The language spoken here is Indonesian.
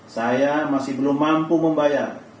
saya masih belum mampu membayar